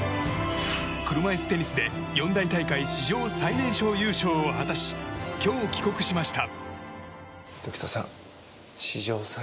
車いすテニスで四大大会史上最年少優勝を果たし今日、帰国しました。